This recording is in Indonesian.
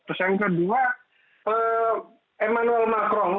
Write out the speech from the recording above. terus yang kedua emmanuel macron